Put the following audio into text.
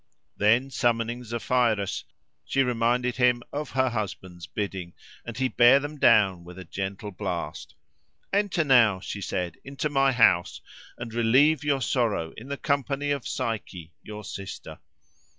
Then, summoning Zephyrus, she reminded him of her husband's bidding; and he bare them down with a gentle blast. "Enter now," she said, "into my house, and relieve your sorrow in the company of Psyche your sister."